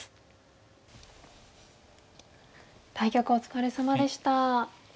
対局お疲れさまでした。